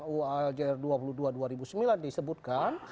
uu jaya dua puluh dua tahun dua ribu sembilan disebutkan